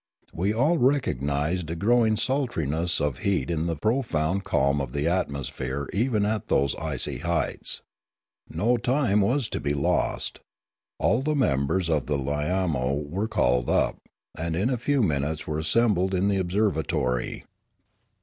We all recognised a growing sultriness of heat in the profound calm of the atmosphere even at those icy heights. No time The Lilaran 181 was to be lost. All the members of the Lilamo were called up, and in a few minutes were assembled in the observatory.